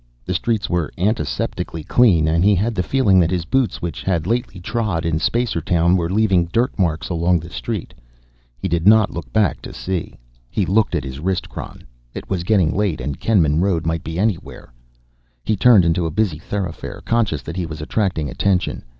The streets were antiseptically clean, and he had the feeling that his boots, which had lately trod in Spacertown, were leaving dirtmarks along the street. He did not look back to see. He looked at his wristchron. It was getting late, and Kenman Road might be anywhere. He turned into a busy thoroughfare, conscious that he was attracting attention.